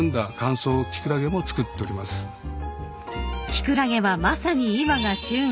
［キクラゲはまさに今が旬］